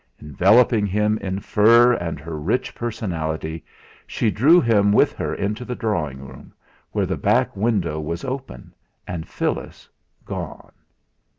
Enveloping him in fur and her rich personality, she drew him with her into the drawing room, where the back window was open and Phyllis gone.